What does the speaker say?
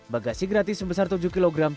bagasi gratis sebesar tujuh kg